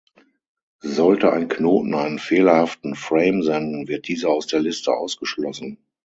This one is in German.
Sollte ein Knoten einen fehlerhaften Frame senden, wird dieser aus der Liste ausgeschlossen.